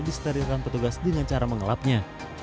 disterilkan petugas dengan cara mengelapnya